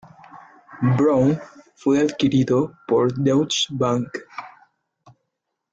Brown fue adquirido por Deutsche Bank.